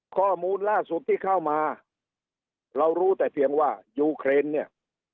ข้อมูลล่าสุดที่เข้ามาเรารู้แต่เพียงว่ายูเครนเนี่ย